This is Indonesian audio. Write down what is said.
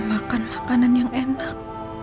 makan makanan yang enak